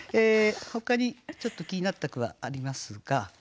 ほかにちょっと気になった句はありますが。